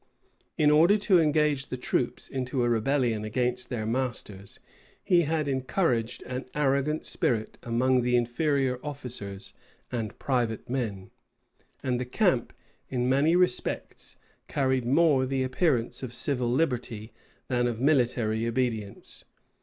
In order to engage the troops into a rebellion against their masters, he had encouraged an arrogant spirit among the inferior officers and private men; and the camp, in many respects, carried more the appearance of civil liberty than of military obedience.